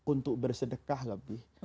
untuk bersedekah lebih